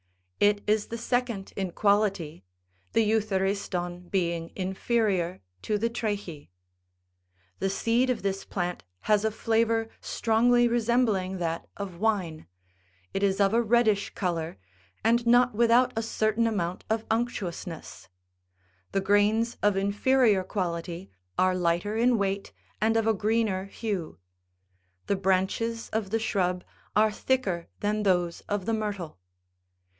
It is the second in quality, the euthe riston being inferior to the trachy. The seed of this plant has a flavour strongly resembling that of wine ; it is of a reddish colour, and not without a certain amount of unctuous ness ; the grains of inferior quality are lighter in weight and of a greener hue : the branches of the shrub are thicker than those of the myrtle.